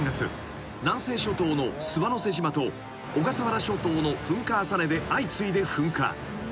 ［南西諸島の諏訪之瀬島と小笠原諸島の噴火浅根で相次いで噴火］